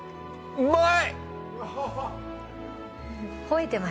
うまい！